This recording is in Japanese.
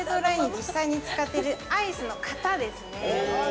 実際に使っているアイスの型ですね。